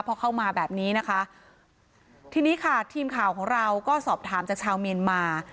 พอเข้ามาแบบนี้นะคะทีนี้ค่ะทีมข่าวของเราก็สอบถามจากชาวเมียนมา